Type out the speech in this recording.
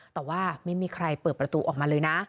แต่ว่าไม่มีใครเปิดประตูออกมาเลยนะ